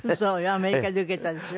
アメリカでウケたでしょ。